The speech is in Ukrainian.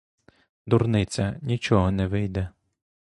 Дурниця — нічого не вийде.